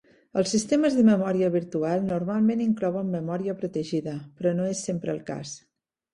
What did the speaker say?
Els sistemes de memòria virtual normalment inclouen memòria protegida, però no és sempre el cas.